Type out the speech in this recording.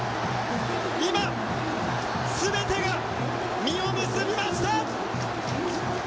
今、全てが実を結びました！